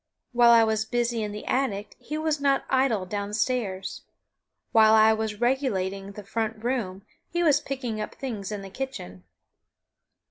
While I was busy in the attic he was not idle down stairs; while I was regulating the front room he was picking up things in the kitchen.